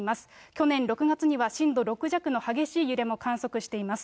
去年６月には震度６弱の激しい揺れも観測しています。